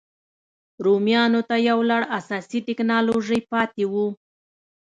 رومیانو ته یو لړ اساسي ټکنالوژۍ پاتې وو.